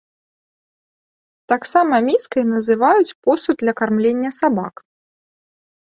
Таксама міскай называюць посуд для кармлення сабак.